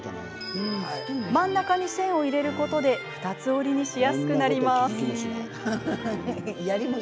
真ん中に線を入れることで二つ折りにしやすくなります。